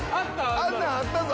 あんなんあったぞ。